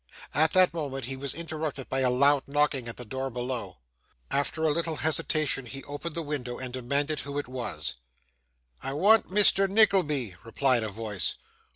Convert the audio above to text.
At that moment, he was interrupted by a loud knocking at the door below. After a little hesitation he opened the window, and demanded who it was. 'I want Mr. Nickleby,' replied a voice.